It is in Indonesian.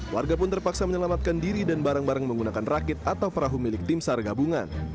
warga pun terpaksa menyelamatkan diri dan barang barang menggunakan rakit atau perahu milik tim sargabungan